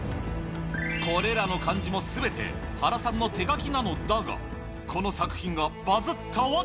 これらの漢字もすべて原さんの手書きなのだが、この作品がバズっ